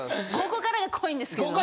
ここからが濃いんですけども。